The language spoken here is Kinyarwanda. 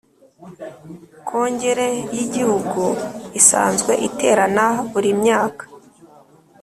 Kongere y igihugu isanzwe iterana buri myaka